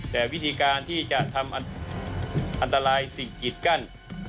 แต่วิธีการที่จะทำอันตรายสิ่งกิดกั้น